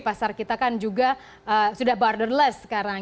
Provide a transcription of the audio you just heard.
pasar kita kan juga sudah borderless sekarang